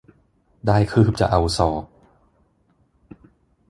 ได้คืบจะเอาศอก